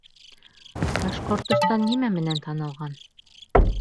Башкортостан нимә менән танылған?